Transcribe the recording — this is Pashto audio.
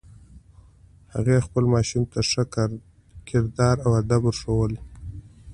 هغې خپل ماشوم ته ښه کردار او ادب ور ښوولی